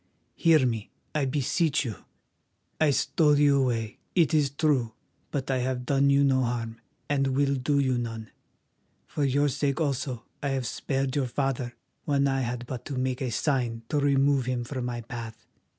Hear me, I beseech you. I stole you away, it is true, but I have done you no harm, and will do you none. For your sake also I have spared your father when I had but to make a sign to remove him from my path.